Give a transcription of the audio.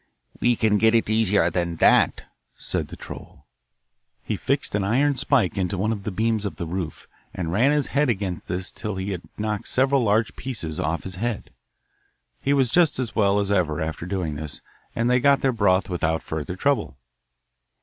'We can get it easier than that!' said the troll. He fixed an iron spike into one of the beams of the roof, and ran his head against this till he had knocked several large pieces off his head. He was just as well as ever after doing this, and they got their broth without further trouble.